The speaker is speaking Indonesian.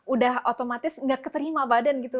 udah otomatis gak keterima badan gitu